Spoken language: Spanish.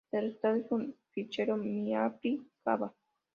El resultado es un fichero MiApplet.java.